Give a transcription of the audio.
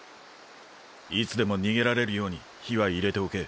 いつでも逃げられるように火は入れておけ。